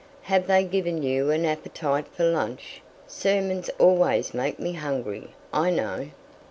Have they given you an appetite for lunch? Sermons always make me hungry, I know."